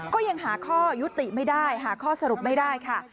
ก็ยังหาข้อยุติไม่ได้หาข้อสรุปไม่ได้ค่ะ